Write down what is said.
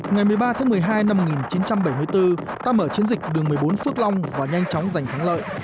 ngày một mươi ba tháng một mươi hai năm một nghìn chín trăm bảy mươi bốn ta mở chiến dịch đường một mươi bốn phước long và nhanh chóng giành thắng lợi